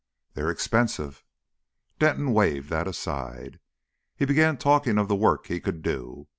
"They are expensive." Denton waved that aside. He began talking of the work he could do.